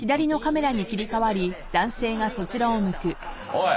おい！